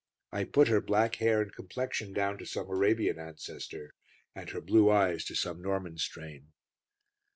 I put her black hair and complexion down to some Arabian ancestor, and her blue eyes to some Norman strain.